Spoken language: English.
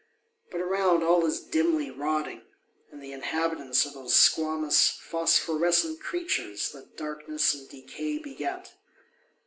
But around all is dimly rotting ; and the inhabitants are those squamous, phosphorescent creatures that dark ness and decay beget.